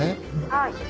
はい。